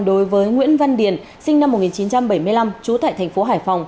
đối với nguyễn văn điền sinh năm một nghìn chín trăm bảy mươi năm trú tại thành phố hải phòng